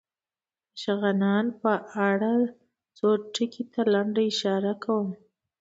د شغنان په اړه څو ټکو ته لنډه اشاره کوم.